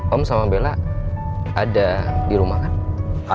om sama bella ada di rumah kan